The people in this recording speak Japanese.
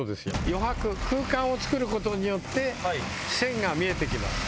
余白空間を作ることによって線が見えてきます